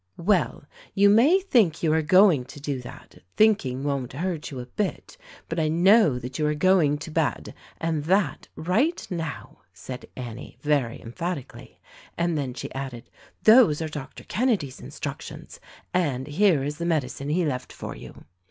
"Well, you may think you are going to do that — think ing won't hurt you a bit; but I know that you are going to bed — and that right now," said Annie, very emphatically. And then she added, "Those are Dr. Kenedy's instructions, and here is the medicine he left for you."